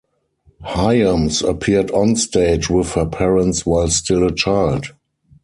Hyams appeared on-stage with her parents while still a child.